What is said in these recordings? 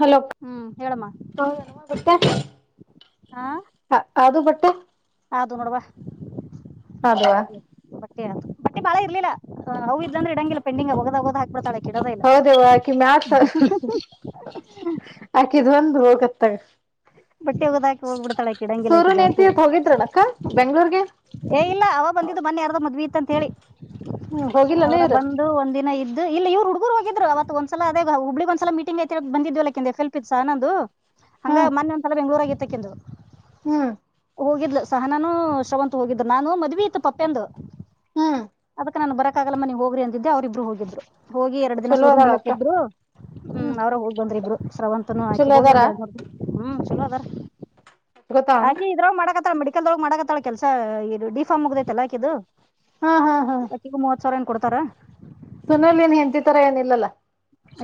Hello ಹ್ಮ್ ಹೇಳಮ್ಮ ಗತ್ತ ಹ ಅದು ಬಟ್ಟ ಹದು ನೋಡುವ ಅದವಾ ಬಟ್ಟೆ ಬಟ್ಟ ಬಾಳ ಇಲಿಲ್ಲ ಅವು ಇದ್ ಅ್ರ ಇಡಂಗಿಲ್ಲ ಪೆಂಡಿಂಗ ಹೋಗದ ಹೋಗದ ಹಾಕ್ಬಡ್ತಾಳೆ ಹೌದವ ಆಕೆ ಮಾತ ಆಕಿದ್ ಒಂದು ಹೋಗತ್ತೆ ಬಟ್ಟೆ ಒಗದ ಹಾಕಿ ಹೋಗ್ಬಿಡ್ತಾಳೆ ಆಕಿ ಇಡಂಗಿಲ್ಲ ಆಕಿ ಜಾಸ್ತಿ ಸೂರನೇಂತತ್ ಹೋಗಿದ್ರಣಕ್ಕ ಬೆಂಗಳೂರ್ ಏ ಇಲ್ಲ ಅವ ಬಂದಿದ್ದು ಮೊನ್ನೆ ಯಾರದ ಮದ್ವಿ ಇತ್ತಂತ ಹೇಳಿ ಹ್ಮ್ ಹೋಗಿಲ್ಲಾನ ಅವ್ರ ಇವ್ರು ಬಂದು ಒಂದಿನ ಇದ ಇವ್ರಡುಗರು ಹೋಗ್ರು ಅವತ್ ಒಂದ್ಲ ಅದೇ ಹುಳಗ್ ಒಂದ್ಸಲ ಮೀಗ್ಐತ ಬಿದ್ವಲ್ಲೆಫಲ್ಪತ್ಸ ಅ ನೊಂದು ಹಂಗ ಮೊನ್ನೆ ಒಂದ್ಸಲ ಬೆಂಗಳೂರು ರಾಗ್ ಇತ್ತ ಅಕ್ಕಿಂದು [unintelligible] ಹೂ [unintelligible] ಹೋಗಿದ್ಲು ಸಹನಾನು ಶ್ರವಂತ ಹೋಗಿದರು ನಾನು ಮದವಿ ಇತ್ತು ಪಪ್ಪೆಂದು ಹ್ಮ್ ಅದಕ್ಕ ನಾನು ಬರಕ [unintelligible] ತವರ ಮನೆಗ್ ಹೋಗ್ರಿ ಅಂದಿದ್ದೆ ಅವರ ಇಬ್ಬರು ಹೋಗಿದರು? [unintelligible] ಹೋಗಿ ಎರಡು ದಿನ ಚಲೋ ಸೂರುನ್ ಅದಾಳ ಬೆಲೆ ಅಕ್ಕ ಇದ್ರು ಹೂ ಹ್ಮ್ ಅವರೇ ಹೊಗಿ ಬಂದರು ಇಬ್ರು ಶ್ರವಣ [unintelligible] ಆತನೂ ಆಕೀ ಚಲೋ ಹೋಗಿ ಅದಾರ ಎರಡು ಮೂರು ದಿನ ಹೂ ಚಲೋ ಅದಾರ ಗೊತ್ತಾವನು ಆಕಿ ಇದ್ರೋಗ ಮಾಡಕತಾ [unintelligible] ಳ ಮೆಡಿಕಲ್ ಒಳಗ ಮಾಡಕತ್ತಳ ಕೆಲಸ ಬಿಕಾಂ ಮುಗದೈತಲ್ಲ ಅಕಿದು ಹಾ ಹಾ [unintelligible] ಅಕ್ಕಿಗೂ ಮೂವತ್ ಸಾವಿರ ಏನ್ ಕೊಡ್ತಾರ? [unintelligible] ಸುನೀಲ್ ನ್ ಹೆಂತಿತರ ಏನಿಲ್ಲಲ್ಲಾ? [unintelligible]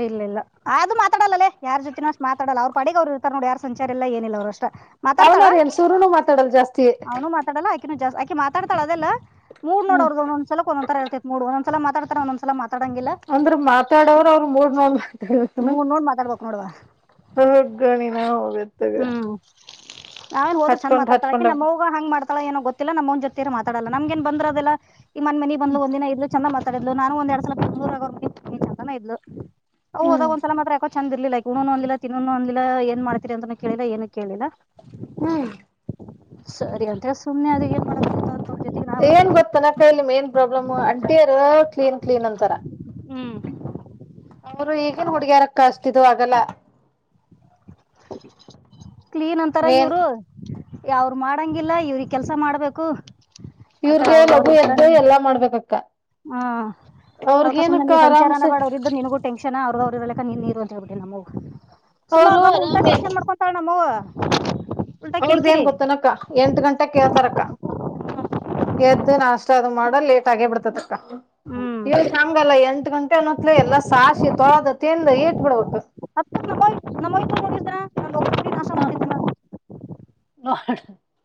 ಇಲ್ಲ ಇಲ್ಲ ಆದ್ರೂ ಮಾತಾಡಲ್ಲ ಲೇ ಯಾರ ಜೊತೆನೋ ಅಷ್ಟ ಮಾತಡಲ್ಲ ಅವರ ಪಾಡಿಗೆ ಅವರು ಇರ್ತಾರೆ ನೋಡಿ ಯಾರ ಸಂಚಾರ ಇಲ್ಲ ಏನಿಲ್ಲ ಅವರ ಅಷ್ಟ? [unintelligible] ತ ಮಾತಾಡ್ತಾಳ ಅವನವ್ರ ಏನ್ ಸುರುನು ಮಾತಾಡಲ್ ಜಾಸ್ತಿ ಅವನು ಮಾತಾಡಲ್ಲ ಅಕಿನು ಜಾಸ್ತಿ [unintelligible] ಅಕ್ಕಿ ಮಾತಾಡ್ತಾಳ ಅದ ಅಲ್ಲ ಮೂಡ್ ನೋಡ ಹ್ಮ್ ಅವರದ ಒಂದೊಂದುಸಲಕ್ ಒಂದೊಂತರ ಇರ್ತೆತಿ ಮೂಡ್ ಒಂದೊಂದುಸಲ ಮಾತಾಡ್ತಾರ [unintelligible] ಮಾತಾಡಂಗಿಲ್ಲ? ಅಂದ್ರ ಮಾತಾಡೋರು [unintelligible] ಮೂಡ್ ನೋಡಿ ಮಾತಾಡ್ತಾನಾ ಮೂಡ್ ನೋಡ್ ಮಾತಾಡ್ಬೇಕ್ ನೋಡವ್ವ [unintelligible] ಹೊಗ್ಗ ನೀನಹ ಹೋಗತಗ [unintelligible] ಆಮೇಲ್ ಹೋದರ ಚೆಂದ ಮಾಡ್ತಾಳ ಆಕಿ ನಮ್ಮ ಅವ್ವಗ ಹಂಗ ಮಾಡ್ತಾಳ ಏನೂ ಗೊತ್ತಿಲ್ಲ ನಮ್ಮ ಅವ್ವ ಜೊತೆ ಮಾತಡಲ್ಲ ನಮಗ ಏನ್ ಬಂದರೋದಿಲ್ಲ. [unintelligible] ಈ ಮನಿಗ ಬಂದಲ್ಲು ಒಂದ ದಿನ ಇದ್ಲು ಚಂದ ಮಾತಾಡಿದಲ್ಲು ನಾನು ಒಂದ ಎರಡ್ ಸಲ್ ಬೆಂಗಳೂರ ರಾಗ್ ವರ್ಕ್ ಇತ್ತ ಆಕೀ ಚಂದನ ಇದ್ಲು. [unintelligible] ಅವೂ ಹ್ಮ್ ಅದಾವ ಒಂದ್ ಸಲ ಮಾತ್ರ ಏಕ [unintelligible] ಚಂದ ಇರಲಿಲ್ಲ ಆಕಿ ಉಣನು ಅಂದಿಲ್ಲ ತಿನ್ನೂನು ಅಂದಿಲ್ಲ ಏನ್ ಮಾಡ್ತತಿರಿ ಅಂತಾನ ಕೇಳಿಲ್ಲ ಏನು ಕೇಳಿಲ್ಲ. [unintelligible] ಹೂ [unintelligible] ಸರಿ ಅಂತ ಹೇಳಿ ಸುಮ್ಮನೆ ಅಡಗಿ ಏನ್ ಮಾಡಬೇಕ ಅಂತ ನೋಡಕೊಂತ [unintelligible] ಏನ್ ಗೊತ್ತನ ಸರ್ ನಿಮಗ ಏನ್ ಪ್ರಾಬ್ಲಮ್ ಅ [unintelligible] ಅತ್ತಿರ ಕ್ಲೀನ್ ಕ್ಲೀನ್ ಅಂತಾರ ಹ್ಮ್ ಅವರು ಈಗ [unintelligible] ಈಗಿನ ಹುಡುಗಿಯಾರಕ್ಕ ಅಸ್ಟ ಇದು ಆಗಲ್ಲ? [unintelligible] ಕ್ಲೀನ್ ಅಂತಾರ ಮೇನ್ ಇವರು ಅವರು ಮಾಡಂಗಿಲ್ಲ ಇವರಿಗೆ ಕೆಲಸಾ ಮಾಡ್ಬೇಕು. [unintelligible] ಅಕ ಇವರಿಗೆ ಅವ್ರದವ್ರು ಲಗು ಇರ್ತಾರ ಎದ್ದ ನಿನ್ ಎಲ್ಲಾ ಮಾಡ್ಬೇಕ ಅಂತಾ [unintelligible] ಹಾ ಅದಕ ಸುಮ್ನೆ ನೀ ಸಂಚಾರನ ಆರಾಮ್ಸೆ ಬ್ಯಾಡ್ ಅವರ ಇದ್ದರ ನಿನಗೂ ಟೆನ್ಶನ್ [unintelligible] ಟೆನ್ಶನ್ ಅವರೋದ ಅವರದ್ದು ಲೆಕ್ಕ ನಿಗವಾಲದ ನಮ್ಮ ಅವ್ವಗ ಸುಮ್ನ ಅವರು ಅವರ ಬಂದ್ರ ಉಂತಾರ ಆರಾಮೇ ಟೆನ್ಶನ್ ಮಾಡ್ಕೊತಳ ನಮ್ಮ ಅವ್ವ [unintelligible] [unintelligible] ಅವರದ್ ಏನ್ ಗೊತ್ತ ಏನ್ ಅಕ್ಕ ಎಂಟ ಗಂಟೆಕ ಎಳ್ತಾರ [unintelligible] ಅಕ್ಕ ಎದ್ದ ನಾಷ್ಟ ಅದು ಮಾಡದ ಲೇಟ್ ಆಗೇ ಬಿಡ್ತದ ಅಕ್ಕ? ಹ್ಮ್ [unintelligible] ಇವರದ ಹಂಗ ಎಂಟು ಗಂಟೆ ಅನ್ನೋತ್ತಲೇ ಎಲ್ಲಾ ಸಾರಸಿ ತೊಳದ ತಿಂದ ದ ಈಟ್ ಬಿಡಬಕ [unintelligible] ಏ ನಫೈ ನಮ್ಮ ಐಕ್ಳನ್ನ ನಡ್ತಿದ್ದಿದರಾ [inaudible] [unintelligible] ಹ [unintelligible]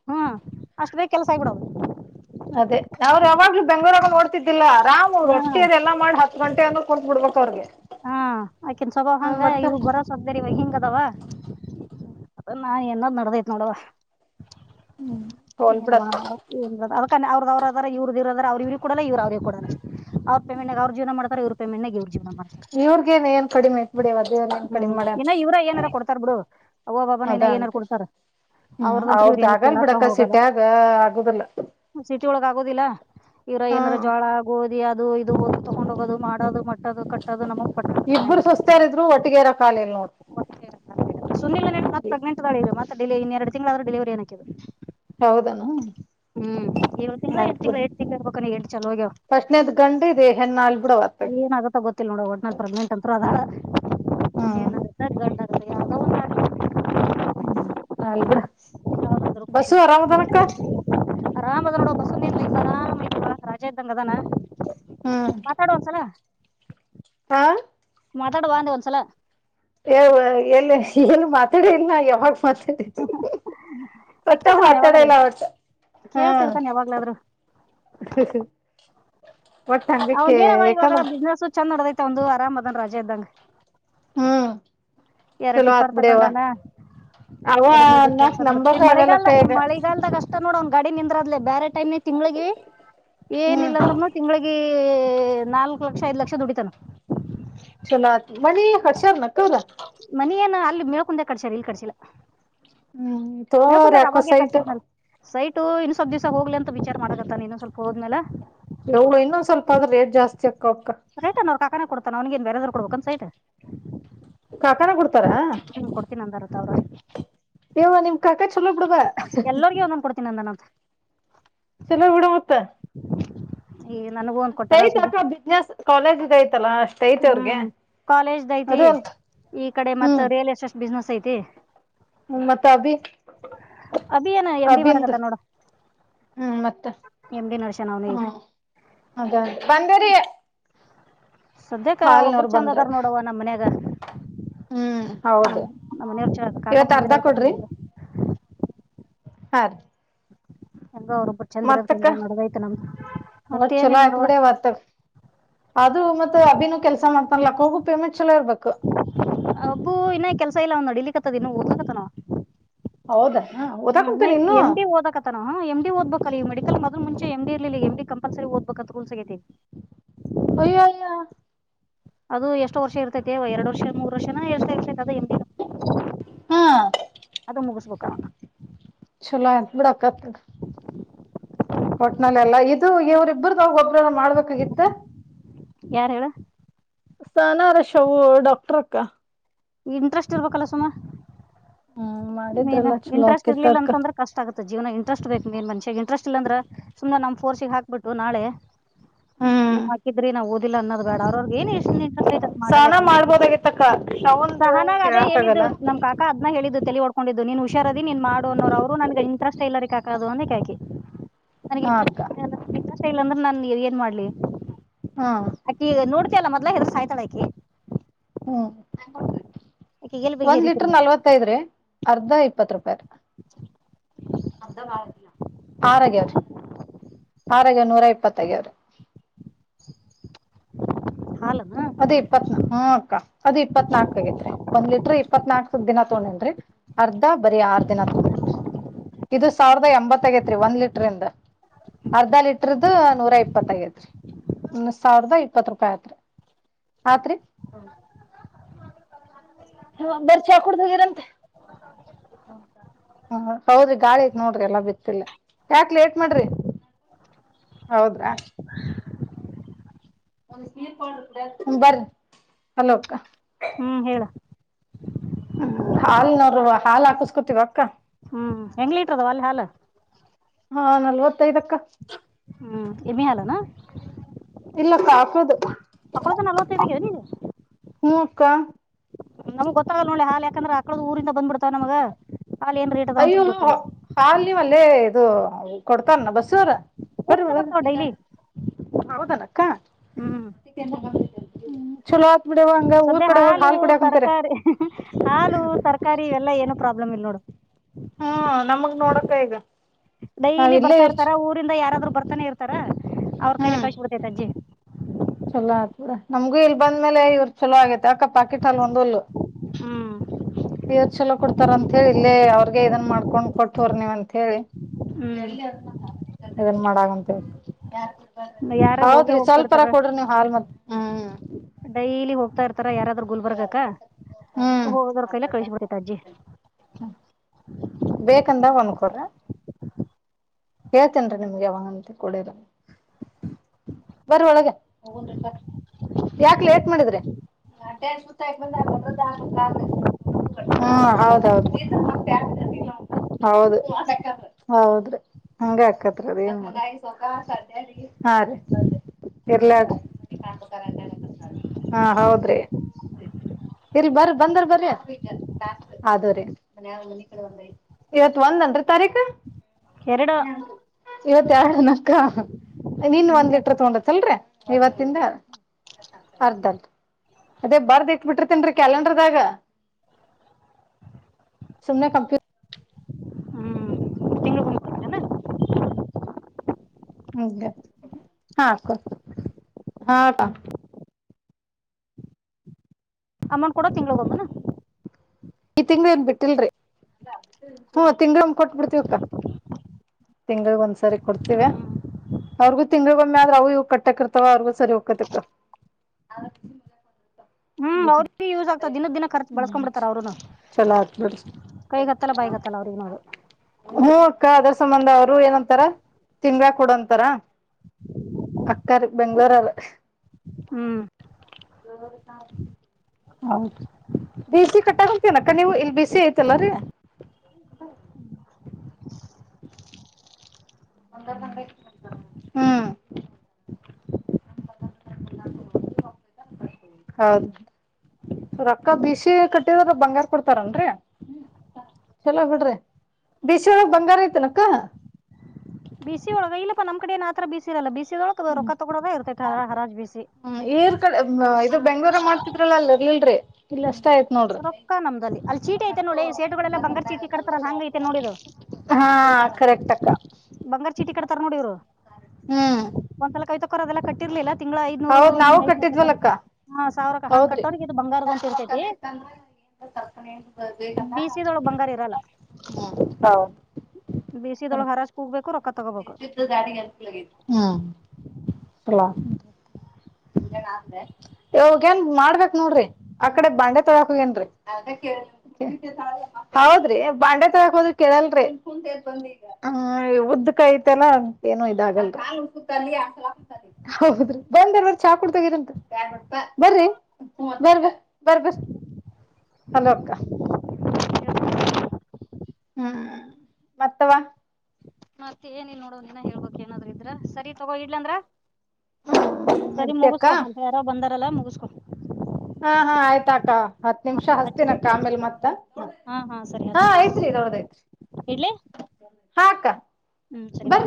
ಹ ಅಷ್ಟ ಬೇಗ ಕೆಲಸ ಆಗ್ಬಿಡೋದು. [unintelligible] ಅದೇ ಅವರ ಯಾವಾಗ್ಲೂ ಬೆಂಗಳೂರ ರಾಗೂ ನೋಡ್ತಿದ್ದಿಲ್ಲ ರಾಮ ಅವರು ಹ್ಮ್ ರೊಟ್ಟಿಅದು ಎಲ್ಲಾ ಮಾಡಿ ಹಾ [unintelligible] ಗಂಟೆ ಅಂದರ್ ಕೊಟ್ಟ ಬಿಡ್ಬೇಕು ಅವರಿಗೆ [unintelligible] ಹಾ ಆಕಿನ್ ಸ್ವಭಾವ ಹಂಗ ಈ ಬರೋ ಸೊಸ್ತೆರ್ ಇವ ಹಿಂಗ ಅದಾವ? [unintelligible] ಹಾ ಎಲ್ಲಾ ನಡದೈತ್ ನೋಡವ ಹೋಲ್ ಏನ ಮಾಡ ಬಿಡಪ್ಪ ರೊಟ್ಟಿ [unintelligible] ತಾ ಅವರದ ಅವರ ಅದಾರ ಇವ್ರದ ಇವರದಾರ ಅವ್ರ ಇವರಿಗ ಕೊಡಲ್ಲ ಇವರ ಅವರಿಗ ಕೊಡಲ್ಲ ಅವರ ಪೇಮೆಂಟ್ ನ್ಯಾಗ ಅವರ ಜೀವನ ಮಾಡತರಾ ಇವರ ಪೇಮೆಂಟ್ ನ್ಯಾಗ ಇವರ ಜೀವನ ಮಾಡತರಾ ಇವ್ರಗೇನ್ ಏನ್ ಕಡಿಮೆ ಐತ್ ಬಿಡಿ ದೇವ್ರ [unintelligible] ಏನ್ ಹೂ ಕಡಿಮೆ ಮಾಡ್ಯಾನ ಇನ್ನ ಇವರ ಏನಾರ ಕೊಡ್ತಾರ ಬಿಡು ಅವ ಒಬ್ಬನೆ [unintelligible] ಅದ ಏ ಏನರ ಅಂತೆ ಕೊಡ್ತಾರ? [unintelligible] ಹ್ಮ್ ಅವರದಂತೂ ಅವ್ರದ್ ಇವರ ಆಗಲ್ ತಿನ್ನಾಕ್ ಬಿಡಕ ಹೋಗಲ್ಲ ಸಿಟ್ಯಾಗ ಆಗುದಿಲ್ಲ ಸಿಟಿ ಒಳಗ ಆಗೋದಿಲ್ಲ? [unintelligible] ಇವರ ಹಾ ಏನರ ಜೋಳ ಗೋದಿ ಅದು ಇದು ತಕೊಂಡ್ ಹೋಗೋದು ಮಾಡೋದು ಮಟ್ಟೋದ ಕ [unintelligible] ಇಬ್ಬರು ಸೊಸೆಸ್ತಾರಿದ್ರು ಒಟ್ಟಿಗೆ ಇರಕ ಆಗ್ಲಿಲ್ಲ ನೋಡ [unintelligible] ಸುನಿಲನ ಹೆಂಡ್ತಿ ಮತ್ತ ಪ್ರೆಗ್ನೆಂಟ ಅದಾಳ ಇಗ ಮತ್ತ ಡೆಲೇ ಇನ್ ಎರಡ ತಿಂಗಳ ಆದರ ಡೆಲಿವರಿಇನ್ ಅಕಿದ [unintelligible] ಹೌದಾ? [unintelligible] ಹೂ ಏಳ್ ತಿಂಗಳ ಎಂಟ ತಿಂಗಳ ಎಷ್ಟ ತಿಂಗಳ ಇರಬೇಕೇನ [unintelligible] ಫಸ್ಟ್ ನೇ ದ ಗಂಡು ಇದ ಹೆಣ್ಣಾಆಗಲಿ ಬಿಡ್ [unintelligible] ಏನ ಆಗುತ್ತ ಗೊತ್ತಿಲ್ಲ ನೋಡ ಒಟ್ನಲಿ ಪ್ರಗ್ನೆಂಟ್ ಅಂತ್ರು ಅದಾಳ ಹ್ಮ್ ಹೆಣ್ಣ ಆಗುತ್ತ ಗಂಡ ಆ [unintelligible] ಹ್ಮ್ ಅಲ್ಪಡು. ಯಾವ್ದಾದ್ರು ಖುಷಿನೇ ಆರಾಮ್ ಅದ ನೋಡ ಬಸರಾಮ ರಾಜ ಇದ್ದಂಗ ಅದಾನ. ಹ್ಮ್ [unintelligible] ಮಾತಾಡುವ ಒಂದ್ಸಲ. ಹಾ ಮಾತಾಡವ ಅಂದೆ ಒನ್ಸಲ. ಎಲ್ಲಿ ಏನು ಮಾತ. ಮಾತಾಡಿ ಇಲ್ಲ ನ ಯಾವಾಗ ಮಾತಾಡಿ ಮಟ್ಟ ಅಕ್ಕಿರ್ತಾನ ಅವ ಮಾತಾಡ ಯಾವಾಗಾರ ಇಲ್ಲ ಅವತ್ತ. ಕೇಳ್ತಿರ್ತಾನ ಯಾವಾಗ್ಲಾದ್ರೂ. [unintelligible] ಒಟ್ಟ ಹಂಗಕ್ಕೆ ಅವಂದ ಏನವ ಇವಾಗ ಯಾಕಂದ್ರ ಬಿಸ್ನೆಸ್ ಚಂದ ನಡದೈತೆ ಒಂದು ಆರಾಮ್ ಅದನ್ ರಜ ಇದ್ದಂಗ. ಹ್ಮ ಎರಡ್ ಟಿಪ್ಪರ್ ತಗೊಂಡಾನ. ಅವ ಎರದದ್ದ ಅನ್ನಕ್ ಕೆಲ್ಸ ನಂಬಕ ಆಗಲ್ಲಕ್ಕ ಮಳಗಾಲದ ಈಗ ಮಳೆಗಾಲಲ್ದಾಗ ಅಷ್ಟ ನೋಡೋಣ ಗಾಡಿ ನಿಂದ್ರ ಅದ್ಲೆೇ ಬೇರೆ ಟೈಮ್ ತಿಂಗಳಿಗೆ ಹ್ಮ್ ಏನಿಲ್ಲ ಅಂದ್ರರುನು ತಿಂಗಳಿಗೆ. ನಾಲ್ಕು ಲಕ್ಷ ಐದ್ ಲಕ್ಷ ದುಡಿತಾನ ಚಲೋ ಆತ್ ಮನಿ ಹರ್ಷಾರ್ನಕ್ಕವ್ರ. ಮನ ಏನ ಅಲ್ಲಿ ಮೇಳ್ಕಂದ ಕಡಸಾರ ಇಲ್ಲಿ ಕರ್ಸಿಲ್ಲ. ಹ್ಮ್ ತೋರ್ ಮೇಳ್ಕಂತಾರ ಯಾಕೋ ಅವಾಗೇ ಸೈಟ್ ಕರ್ಸಿದ್ನಲ್. ಸೈಟು ಇನ್ ಸ್ವಲ್ಪ ದಿವ್ಸ ಹೋಗ್ಲಿ ಅಂತ ವಿಚಾರ ಮಾಡಕತ್ತಾನೆ ಇನ್ನೊ ಸ್ವಲ್ಪ ಹೋದ್ಮೇಲೆ. ಇವಳು ಇನ್ನೊಂದ್ ಸ್ವಲ್ಪ ಆದ್ರ ರೇಟ್ ಜಾಸ್ತಿ ಅಕ್ಕವಕ್ಕ. ಕಾನ ಕೊಡ್ತಾ ಅವನಿಗ ನ್ ಬೇರೆದ್ರು ಕೊಡ್ಬೇಕ ಅನ್ ಸೈಟ್. ಕಾಕಾನ ಕೊಡ್ತಾರ. ತ [inaudible] ಯವ ನಿಮ್ ಕಾಕ ಚಲೋ ಬಿಡವಾ. ಎಲ್ಲರ್ಗ ಅವ್ಂದನ್ ಕೊಡ್ತೀ ಅಂದ ನ ಅಂತ. ಚಲ ಬಿಡ ಮತ್ತ. ಈ ನನಗೂ ಒಂದ್ ಕೊಟ್ಟಾರ ಸ್ಟೈಟ್ ಸುಜಿ ಅಥವಾ ಬಿಸ್ನೆಸ್ ಕಾಲೇಜ್. ಐತಲ್ಲ ಅಷ್ಟೈತ್ ಅವ್ರಿಗೆ ಹ್ಮ್ ಕಾಲೇಜ್ದ ಐತಿ ಅದು ಒಂದ್ ಈ ಕಡೆ ಹ್ಮ್ ಮತ್ತ ರಿಯಲ್ ಎಸ್ಟೇಟ್ ಬಿಸ್ನೆಸ್ ಐತಿ. ಮತ್ತ ಅಭಿ. ಅಭಿಯಾನ ಎಮ್ ಡಿ ಅಭಿಂದು ಮಾಡಕತ್ತ ನೋಡ. ಹ್ಮ್ ಮತ್ತ ಎಂ ಡಿ ನಡ್ಸ್ಯಾನ ಅವ್ನು ಈಗ ಹ್ಮ ಅದ ಬಂದರಿ. ಸದ್ಯಕ್ಕೆ ಅವ್ರೊಬ್ಬರು ಹಾಲ್ನವ್ರು ಚಂದ ಬಂದ್ರ ಅದಾರ ನೋಡವ ನಮ್ಮ ಮನ್ಯಾಗ. ಹ್ಮ್ ನಮ ಹೌದು ನಮ್ಮ ಮನೆಯರು ಚ ಕಾಕಾ ಚಂದರತ್ತ ನಮ್ದಲ್ಲ ಹ [inaudible] ಹೆಂಗೋ ಅವರುಬ್ ಚಂದಿರೋದು ಹೆಂಗೋ ನಡದಯ್ತು ನಮ್ದ. ಒ ಚಲೋ ಆಯ್ತ್ ಬಿಡಿವತ್ ಆದ್ರೂ ಮತ್ತತ್ ಅಬಿನೂ ಕೆಲ್ಸ ಮಾಡ್ತನ್ಲಾಕ್ಕ ಹೋಗು ಪೇಮೆಂಟ್ ಚಲೋ ಇರ್ಬೇಕು ಅಬ್ಬು ಇನ್ನ ಕೆಲ್ಸ ಇಲ್ಲ ಒಂದ ನಡಿಲಿಕ್ಕತ್ತದನ್ನು ಓದಲಕತ ನಾವ. ಹೌದಾ ಹಾ ನ ಓದಾಕುಂತೇನಿ ಇನ್ನು ಎಂ ಡಿ ಓದಕತನ ಏಮ್ ಡಿ ಓದ್ಬೇಕ ಅ ಈ ಮೆಕಲ್ ಮೊದ್ ಮುಂಚೆ ಎ ಇರ್ಲಿಲ್ಲ ಎಮ ಡಿ. ಕಂಪಲ್ಸರಿ ದ್ಬೇಕ ಅಂತ ರೂಲ್ಸ್ ಆಗೈತಿ. ಅಯ್ಯಯ್ಯೋ ಅದು ಎಷ್ಟು ವರ್ಷ ಇರ್ತೈತೆ ಎರಡು ವರ್ಷ ಮೂರ್ ವರ್ಷನ ಎಷ್ಟು ವರ್ಷ. ಹಾ ಅದು ಮುಗಸಬೇಕ ಅವ. ಮಡಾಕತ್ತು. ಕೊಟ್ನಲ್ಲ ಎಲ್ಲ ಇದು ಇವ್ರ ಇಬ್ಬ್ರ್ದಾಗ ಒಬ್ರಲ್ಲ ಮಾಡ್ಬೇಕಾಗಿತ್ತ. ಯಾರು ಹೇಳ. ಸ ನ ರ ಶವು ಡಾಕ್ಟರ್ಕ್ಕ. ಈ ಇಂಟ್ರೆಸ್ಟ್ ಇರ್ಬೇಕಲ್ಲ ಸುಮ ಹ್ಮ್ ಮನ್ ಮಾಡಿದ್ರಲ್ಲ ಚಲೋ ಇಂಟ್ರೆಸ್ಟ್ ಆಕಿತ್ತ ಇರ್ಲಿಲ್ಲ ಅಕ್ಕ ಅಂತಂದ್ರೆ ಕಷ್ಟ ಆಗುತ್ತೆ ಜೀವನ. ಇಂಟರೆಸ್ಟ್ ಬೇಕ ನೀನ್ ಮನ್ಷಿಗೆ ಇಂಟೆಸ್ ಇಲ್ಲ ಸುಮ್ನೆ ನಮ್ ಫೋರ್ಸ್ ಆಗ್ಬಿಟ್ಟು ನಾಳೆ. ನೀ ಹ್ಮ್ ಹಾಕಿದ್ರಿ ನಾ ಓದಿಲ್ಲ ಅನ್ನೋ ಬೇಡ ಅವ್ರ ಅವಗ ಏನ್ ಎಷ್ಟನ್ ಇಂಟೆಸ್ಟ್ ಆಐತೆ ಮಾಡಲ್ಲ ಲೆಕ್ಕದಲ್ಲಿ ಕ್ಕ ಟವ್ಲ ಸಹನಾಗ ಅದೇ ಹೇಳಿದ್ದ ನಮ್ ಕಾಕ ಅದ್ನ ಹೇಳಿದ್ದು ತಲಿ ಓಡ್ಕೊಂಡಿದ್ದು ನೀನ್ ಹುಷಾರದಿ ನೀನ್ ಮಾಡು ಅನ್ನೋ ಅವರು ನನ್ಗೆ ಇಂಟ್ರೆಸ್ಟ್ ಇಲ್ಲರಿ ಕಾಕೋದು ಅ ಕಾಕಿ ನನ್ಗ್ ಹಾ ಇ ಅಕ್ಕ ಇಂಟ್ರಸ್ಟ್ ಇಲ್ಲ ಅಂದ್ರೆ ನನ್ ಏನ್ ಮಾಡ್ಲಿ ಹಾ ಆಕಿ ಈಗ ನೋಡ್ತಯಲ್ಲ ಮೊದ್ಲಾಗ ಎದ್ರಿ ಸಾಯ್ತಾಳ ಆಕಿ ಹ್ಮ್ ಆಕಿ ಎಲ್ಲಿ ಬಗೆ ಒಂದ್ ಲೀಟರ್ ಹರಿತಿರ್ಬೇಕು ನಲ್ವತ್ತೈದ್ರೀ ಅರ್ಧ ಇಪ್ಪತ್ತು ರೂಪಾಯಿ ರೀ [inaudible] ಆರಗ್ಯವ್ರಿ ಆರಾಗ ನೂರ ಇಪ್ಪತ್ತಾಗ್ಯವ್ರಿ ಹಾಲು ಅದ್ ಇಪ್ಪತ್ ಹ ಅಕ್ಕ ಅದು ಇಪ್ಪತ್ ನಾಕಕ್ ಆಗೈತ್ರಿ ಒಂದ್ ಲೀಟ್ರ ಇಪ್ಪತ್ ನನಾಕ್ ದಿನಾ ತಗೊಂಡ್ ರೀ ಅರ್ಧ ಬರಿ ಆರ್ ದಿನ ತೊಂದ್ರೆ ಇದು ಸಾವಿರದ ಎಂಬತ್ತಗೈತ್ರಿ ಒಂದ್ ಲೀಟ್ರಂದ ಅರ್ಧ ಲೀಟರ್ ದು ನೂರ ಇಪ್ಪತ್ತೈತ್ರಿ ಇನ್ ಸಾವಿರ್ದ ಇಪ್ಪತ್ ರೂಪಾಯಿ ಆತ್ರಿ ಆತ್ರಿ ಹ್ಮ್ ಹ ಬರ್ ಚಾಕೂಡೋಗರಂತೆ ಹ್ಮ ಹೌದ್ರಿ ಗಾಳಿತ್ ನೋಡ್ರಿ ಎಲ್ಲಾ ಬಿತ್ತಿಲ್ಲ ಯಾಕ ಲೇಟ್ ಮಾಡ್ರಿ ಹೌದ್ರಾ ಹ್ಮ ಬನ್ರೀ ಹಲೋ ಅಕ್ಕ ಹ್ಮ್ ಹೇಳ ಹ್ಮ್ ಹಾಲ್ ನೋರುವ ಹಾಲ್ ಹಾಕಸ್ಕೊತಿವ ಅಕ್ಕ ಹ್ಮ್ ಹೆಂಗ್ಲಿ ಲೀಟರ್ ದವ ಅಲ್ಲಿ ಹಾಲ್ ಹಾ ನಾಲ್ವತ್ತೈದಕ್ಕ ಹ್ಮ ಎಮ್ಮಿ ಹಾಲ್ ನ ಇಲ್ಲ ಕಾಕುದು ಮಕ್ಕೋತನಲ್ವ ಕೈಗೆಲಿ ಕ್ಕ ನಮ್ ಗೊತ್ತಾಗ ನೋಡಿ ಹಾಲ್ ಯಾಕಂದ್ರೆ ಆಕಳದ್ ಊರಿಂದ ಬಂದ್ ಬಿಡ್ತಾವ ನಮಗ ಹಾಲು ಏನ್ ರೇಟ್ ಅದಾವ ಅಯ್ಯೋ ಅಂತಾನೂ ಗೊತ್ತಿಲ್ಲ ಹಾಲ ನಿ ಮಲ್ಲೆ ಇದು ಕೊಡ್ತಾರ ಬಸ್ಸವರು ಬರಿ ಊರಿಂದ ಒಳಗ ಬರ್ತಾವ ಡೈಲಿ ಹೌದಣ ಹ್ಮ್ ಹ್ಮ ಚಲೋ ಬಿಡವ ಹಂಗ ಊರ್ ಸದ್ಯ ಕಡೆ ಹೋಗಿ ಹಾಲು ಹಾಲ್ ಕುಡಿಯಾಕುಂತಾರೆ ತರಕಾರಿ ಹಾಲು ತರಕಾರಿ ಇವೆಲ್ಲಾ ಏನು ಪ್ರಾಬ್ ಪ್ರಬ್ಲ ಇಲ್ಲೋಡು ಹ್ಮ್ ನಮಗ್ ನೋಡಕ್ಕ ಈಗ ನಾವ್ ಡೈಲಿ ಇಲ್ಲೇ ಬರ್ತಾ ಇರ್ಚ್ ಇರ್ತಾರ ಊರಿಂದ ಯಾರಾದ್ರು ಬರ್ತಾನೆ ಇರ್ತಾರ ಅವ್ರ ಕೈಲೆ ಹ್ಮ್ ಕಳ್ಸಬ ಬಿಡ್ತೈ ಅಜ್ಜಿ ಚಲೋ ಆತ್ಡ ನಮ್ಗೂ ಇಲ್ ಬಂದ್ಮೇಲೆ ಇವ್ರ ಚೊಲೋ ಆಗೇತೆ ಅಕ ಪಾಕೆಟ್ ಹಲ್ ಒಂದಲ್ಲು ಹ್ಮ್ ರ್ ಚಲೋ ಕೊಡ್ತಾರಂತ ಹೇಳಿ ಇಲ್ಲೇ ಅವ್ರ ಇದನ್ ಮಾಡ್ಕೊಂಡ್ ಕೊಡ್ತವ್ರ ನೀವ್ ಅಂತ ಹೇಳಿ ಹ್ಮ್ ಇದನ್ ಮಾಡಂತ ಯಾರೇ ಹೋಗೇ ಹೌದ್ರಿ ಸ್ವಲ್ಪ ಹೋಗ್ತಿರ್ತಾರ ನೀ ಹಾಲ್ ಮತ್ತ ಹ್ಮ್ ಡೈಲಿ ಹೋಗ್ತಾ ಇರ್ತಾರ ಯಾರಾದ್ರರು ಗುಲ್ಬರ್ಗಕ್ಕ ಹ್ಮ್ ಹೋಗೋರ್ ಕೈಲೆ ಕಳಿಸಿಬಿಟ್ಟೈತ್ ಅಜ್ಜಿ ಬೇಕಂದ ಒಂದಕೊಡ್ರ ಹೇಳ್ತೇನ್ರಿ ನಿಮ್ಗೆ ಯಾವಾಗಂತ ಕೂಡಿರ ಬರ ಒಳಗೆ ಹೋಗನ್ ರೀ ಯಾಕ್ ಲೇಟ್ ಮಾಡಿದ್ರಿ [unintelligible] ಹ್ಮ ಹೌದೌದು ಹೌದು ಹೌದ್ರಿ ಅಂಗೆ ಆಕತ್ರಿ ಅದೇನು ಮಾಡೋದು [unintelligible] ಹಾ ರೀ ಇರ್ಲಾಡ್ರಿ ಹಾ ಹೌದ್ರಿ ಇರ್ಲಿ ಬರ್ ಬಂದರು ಬರ್ರೀ ಅದು ರೀ [unintelligible] ಇವತ್ ಒಂದನ್ ತಾರೀಕ ಎರಡು ಇವತ್ತರಡು ಅನಕ್ಕ ಇನ್ ಒಂದ್ ನಿನ್ನೆ ಗಡೆ ಲ್ರ ಇವತ್ತಿಂದ ಅರ್ಧಂಟ ಅದೇ ಬರ್ದ್ ಇಟ್ಬಿಟ್ಟಿರ್ತೀನಿ ಕ್ಯಾಲಂಡರ್ದಾಗ ಸುಮನೆ ಕಂಪ್ಯ ಹ್ಮ್ ತಿಂಗಳು ಹ ಹಾ ಹಾಾ ಅಮೌಂಟ್ ಕೂಡ ತಿಂಗಳ್ಗೊಂಬೇನ ಈ ತಿಂಗಗಳ ಏನ್ ಬಿಟ್ಟಿಲ್ರಿ ಹ ತಿಂಗಗಳ ಕೊಟ್ಬಿಡ್ತಿವಕ್ಕ ತಿಂಗಳ್ಗ ಒಂದ್ಸರಿ ಕೊಡ್ತಿವೆ ಹ್ಮ್ ಅವ್ರಿಗೂ ತಿಂಗ್ಿಗೊಮ್ಮೆ ಆದ್ರ ಅವವು ಇವ ಕಟ್ಟಕ್ ಇರ್ತವ ಅವ್ರಗೂ ಸರಿ ಹೋಗಕ್ಕತಕ್ಕ ಅ ಹ್ಮ್ ಅವ್ರ ಯೂಸ್ ಆಗ್ತಾರ ದಿನದ ದಿನ ಖರ್ಚು ಹ್ಮ್ ಬಳಸ್ಕೊಂಡ ಬಿಡ್ತಾರ ಅವ್ರನ ಚಲೋ ಆತ್ ಬಿಡ್ರಿ ಕೈಗತ್ತಲ್ಲ ಬಾಯ್ಗತ್ತಲ್ಲ ಅವ್ರಿಗೆ ನೋದು ಹ್ಮ ಅಕ್ಕ ಅದ್ರ ಸಂಬಂಧ ಅವರು ಏನಂತಾರ ತಿನ್ಬೇಕ ಕೊಡಂತಾರ ಅಕ್ಕರ್ ಬೆಂಗಳೂರರು ಹ್ಮ್ ಹ ಹೌದು ಬಿಸಿ ಕಟ್ಟತೀನಕ್ಕ ನೀವು ಇಲ್ ಬಿಸಿ ಐತಲ್ಲರರಿ ಹ್ಮ ಹ್ಮ್ ಹೌದ ರೊಕ್ಕ ಬಿಸಿ ಕಟ್ಟಿದ ಬಂಗಾರ ಕೊಡ್ತಾರನ್ರರಿ ಚಲೋ ಬಿಡ್ರಿ ಬಶೋರ ಬಂಗಾರ ಐತ್ನಕ್ಕ ಬಿಸ ಒಳಗ ಇಲ್ಲಪ್ಪ ನಮ್ಮ ಕಡೆ ಏನ ಆರ ಬಿಸಿ ಇರಲ್ಲ ಬಿಸಿದೊಳಗ ರೊಕ್ಕ ತಗೊೋದ ಇತತೆತ ಹರಾಜ್ ಬಿಸಿ ಹ್ಮ ಈರ್ ಕಡೆ ಇದು ಬೆಂಗ್ಳೂರ ಮಾಡ್ತಿದ್ರಲ್ಲ ಅಲ್ಲರ್ ಇಲ್ರರಿ ಇಲ್ಲಷ್ಟ ಆಯ್ತ್ ನೋಡ್ರಿಂದ್ರೆ ರೊಕ್ಕ ನಮ್ದಲ್ಲಿ ಅಲ್ಲಿ ಚೀಟಿ ಐತೆ ನಮಗೂ ನೋಡಿ ಸೇಟುಗಳೆಲ್ಲ ಬಂಗಾರ ಚೀಟಿ ಕಟ್ತಾರಲ್ಲ ಹಂಗ ಐತೆ ನೋಡಿದು ಹಾ ಕರೆಕ್ಟ್ ಅಕ್ಕ ಕಡ್ತರ ನೋಡ್ರು ಹ್ಮ್ ಕೈ ತಕೋದೆಲ್ಲ ಕಟ್ಟಿರ್ಲಿಲ್ಲ ತಿಂಗಳು ಐ್ನೂರು ಹೌದ್ ಹಿ್ ನಾವು ಐನೂರ ಕಟ್ಟಿದ್ವಲಕ್ಕ ಸಾವಿರ ಹಾ ಕಟ್ಟೋರಿಗೆ ಇದು ಬಂಗಾರದ ಅಂತ ಇರ್ತೈತಿ ಅಂದ್ರ ಏ ಬೇಗ ಬಿಸಿದೊಳಗ್ ಬಂಗಾರ ಬೇಸಿದೊಳಗ್ ಹರಾಜ್ ಕ ಕುಗ್ಬೇಕು ಚ ಗಡಿ ಹ್ಮ್ ಚಲ ಹ ಇವಾಗ ಏನ್ ಮಾಡ್ಬೇಕಕ್ ನೋಡ್ರಿ ಆಕಡೆ ಬಂಡೆ ತೊಳಾಕೋಗೇನ್ರಿ ಹೌದ್ರಿ ಬಾಂಡೆ ತರಾಕ್ೋದ್ರ ಕೇಳಲ್ ಉದ ಆಯ್ತಲ್ಲ ಏನು ಇದಲ್ಂದ ಚಾ ಕುಡ್ತಗೀಂ ಬರಿ ಬರ್ ಬರ್ ಬರಿ ಹಲೋ ಅಕ್ಕ ಹ್ಮ್ ಮತ್ತವಾ ಮತ್ತೆ ಏನಿನ್ ನೋಡೋ ನೀನ್ನ ಹೇಳ್ಬೇಕಕ್ ಏನಾದ್ರರು ಇದ್ರ ಸರಿ ತಗೋ ಇಡ್ಲ ಅಂದ್ರ ಹ್ಮ್ ಸರಿ ಇಡ್ತಿ ಅಕ್ಕ ಮುಗಿಸಕೋಂತ ಯಾರ ಬಂದಾರಲ್ಲ ಮುಗಿಸಕೊ ಹಾ ಹಾ ಆಯ್ತಾಕ್ಕ ಹತ್ ನಿಮಿಷ ಹಚ್ಚಿ ಹಸ್ತಿನಕ್ಕ ಬಿಟ್ಟು ಹಚ್ಚಿ ಆಂಬೇಲ್ ಮತ್ತ ಹಾ ಐತ್ರಿ ದೊಡದ ಐತ್ರಿ ಇ ಹಾ ಅಕ್ಕ ಹ್ಮ್ ಬರ್ರಿ ಸರಿವಾ